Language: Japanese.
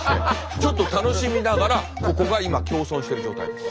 ちょっと楽しみながらここが今共存している状態です。